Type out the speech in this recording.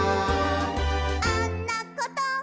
「あんなこと」